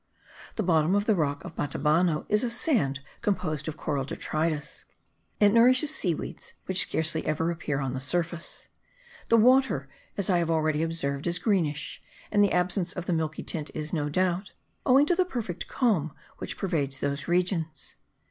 The bottom of the rock of Batabano is a sand composed of coral detritus; it nourishes sea weeds which scarcely ever appear on the surface: the water, as I have already observed, is greenish; and the absence of the milky tint is, no doubt, owing to the perfect calm which pervades those regions.